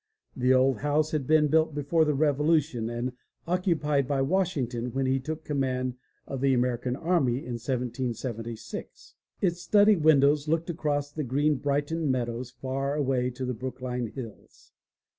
The old house had ■V '^ I been built before the Revolution and occupied by Washington when he took command of the American army in 1776. Its study windows looked across the green Brighton meadows far away to the Brookline hills.